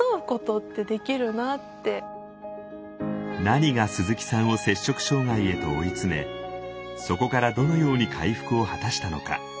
何が鈴木さんを摂食障害へと追い詰めそこからどのように回復を果たしたのか？